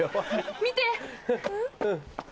見て！